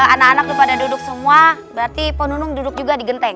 anak anak kepada duduk semua berarti ponunung duduk juga di genteng